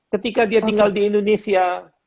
ketika dia tinggal di indonesia